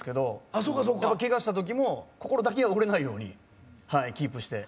やっぱけがした時も心だけは折れないようにキープして。